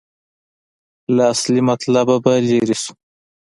له اصلي مطلبه به لرې شو.